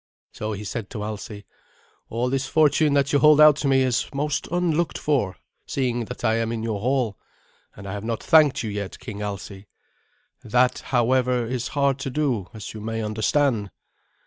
So he said to Alsi, "All this fortune that you hold out to me is most unlooked for, seeing what I am in your hall; and I have not thanked you yet, King Alsi. That, however, is hard to do, as you may understand."